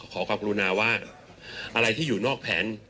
ขอความกรุณาว่าอะไรที่อยู่นอกแผน